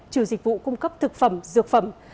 trừ dịch vụ cung cấp thực phẩm dược phẩm